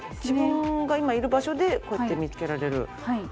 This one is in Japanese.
自分が今いる場所でこうやって見つけられる。